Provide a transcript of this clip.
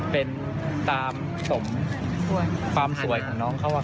เป็นความเฝ้าใจ